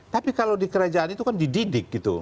tapi kalau di kerajaan itu kan dididik gitu